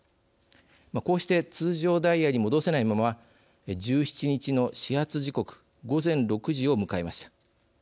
こうして通常ダイヤに戻せないまま１７日の始発時刻午前６時を迎えました。